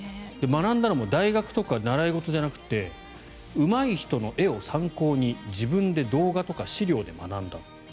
学んだのは大学とか習い事じゃなくてうまい人の絵を参考に自分で動画とか資料で学んだ。